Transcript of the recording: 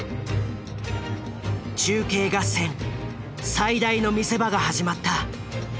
中継合戦最大の見せ場が始まった。